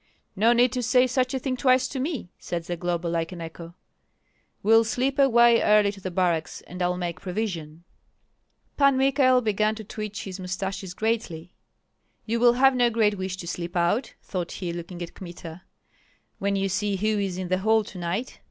"No need to say such a thing twice to me!" said Zagloba, like an echo. "We'll slip away early to the barracks, and I'll make provision." Pan Michael began to twitch his mustaches greatly. "You will have no great wish to slip out," thought he, looking at Kmita, "when you see who is in the hall tonight."